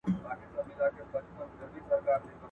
هر څوک خپل مسووليت لري.